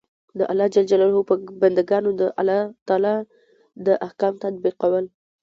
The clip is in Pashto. د الله ج په بندګانو د الله تعالی د احکام تطبیقول.